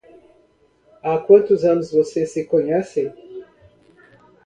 Há quantos anos vocês se conhecem?